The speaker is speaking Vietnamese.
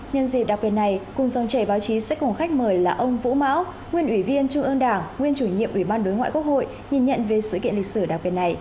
nhân dịp đặc biệt này cùng dòng chảy báo chí sẽ cùng khách mời là ông vũ mão nguyên ủy viên trung ương đảng nguyên chủ nhiệm ủy ban đối ngoại quốc hội nhìn nhận về sự kiện lịch sử đặc biệt này